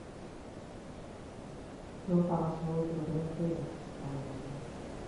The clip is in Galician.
Non fagas ao outro o que non queiras que che fagan a ti.